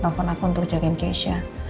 nelfon aku untuk jagain keisnya